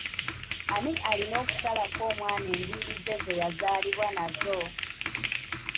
Ani alina okusalako omwana enviiri ze yazaalibwa nazo?